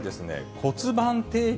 骨盤底筋。